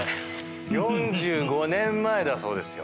４５年前だそうですよ。